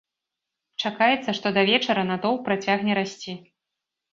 Чакаецца, што да вечара натоўп працягне расці.